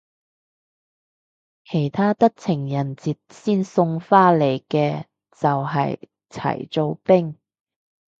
其他得情人節先送花嚟嘅就係齋做兵